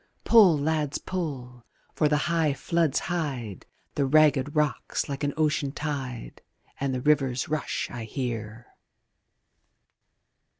Pull, lads, pull! for the high floods hide The ragged rocks like an ocean tide, And the river's rush I hear.